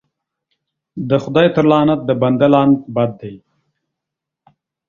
د خداى تر لعنت د بنده لعنت بد دى.